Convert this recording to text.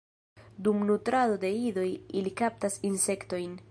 Dum nutrado de idoj ili kaptas insektojn.